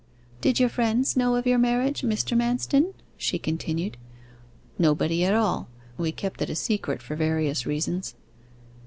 'Did your friends know of your marriage, Mr. Manston?' she continued. 'Nobody at all; we kept it a secret for various reasons.